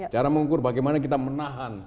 cara mengukur bagaimana kita menahan